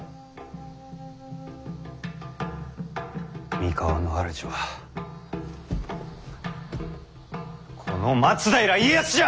三河の主はこの松平家康じゃ！